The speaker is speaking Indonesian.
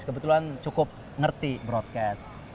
kebetulan cukup ngerti broadcast